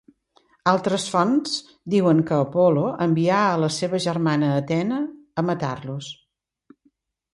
Altres fonts diuen que Apol·lo envià a la seva germana Atena a matar-los.